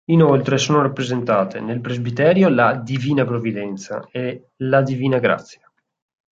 Inoltre sono rappresentate: nel presbiterio la "Divina Provvidenza" e la "Divina Grazia".